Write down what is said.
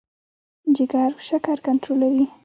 جګر شکر کنټرولوي.